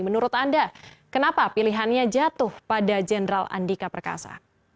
menurut anda kenapa pilihannya jatuh pada jenderal andika perkasa